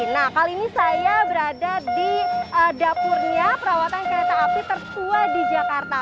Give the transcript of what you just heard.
nah kali ini saya berada di dapurnya perawatan kereta api tertua di jakarta